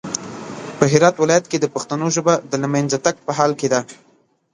په هرات ولايت کې د پښتنو ژبه د لمېنځه تګ په حال کې ده